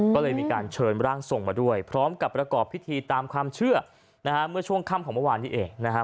ก็เลยมีการเชิญร่างทรงมาด้วยพร้อมกับประกอบพิธีตามความเชื่อนะฮะเมื่อช่วงค่ำของเมื่อวานนี้เองนะฮะ